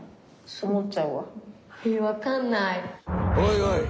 おいおい。